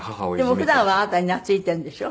でも普段はあなたに懐いてるんでしょ？